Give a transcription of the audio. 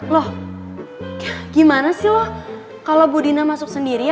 loh gimana sih lo kalo bu dina masuk sendiri ya